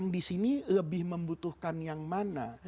disini lebih membutuhkan yang mana